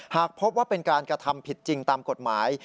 หากพบว่าเป็นการกระทำผิดจริงตามกฎหมาย